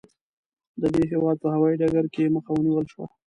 د دې هېواد په هوايي ډګر کې یې مخه ونیول شوه.